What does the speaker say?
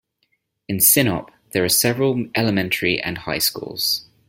In Sinop there are several elementary and high schools.